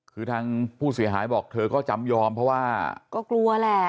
คือทางผู้เสียหายบอกเธอก็จำยอมเพราะว่าก็กลัวแหละ